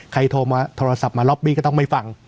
โทรมาโทรศัพท์มาล็อบบี้ก็ต้องไม่ฟัง